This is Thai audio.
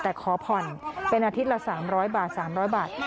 แต่ขอผ่อนเป็นอาทิตย์ละ๓๐๐บาท๓๐๐บาท